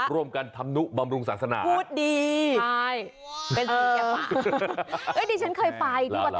รวมกันทำนุบำรุงศาสนา